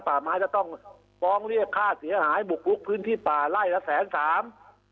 ป่าไม้จะต้องฟ้องเรียกค่าเสียหายบุกลุกพื้นที่ป่าไล่ละแสนสาม